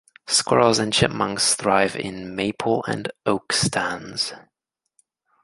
Squirrels and chipmunks thrive in maple and oak stands.